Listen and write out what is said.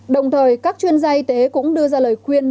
đồng thời các chuyên gia y tế cũng đưa ra lời khuyên